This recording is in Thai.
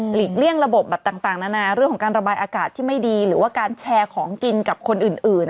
เลี่ยงระบบแบบต่างนานาเรื่องของการระบายอากาศที่ไม่ดีหรือว่าการแชร์ของกินกับคนอื่น